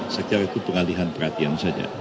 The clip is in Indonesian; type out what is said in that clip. secara itu pengalihan perhatian saja